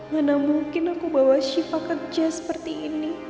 mana mungkin aku bawa shiva kerja seperti ini